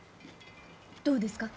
どうですか？